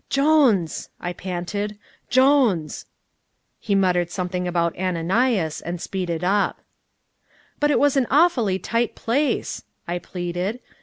"Jones," I panted. "Jones." He muttered something about Ananias, and speeded up. "But it was an awfully tight place," I pleaded.